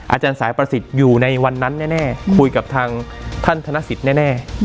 อาจารย์สายประสิทธิ์อยู่ในวันนั้นแน่คุยกับทางท่านธนสิทธิ์แน่